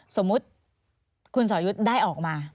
สมมุติคุณสอยุทธ์ได้ออกมา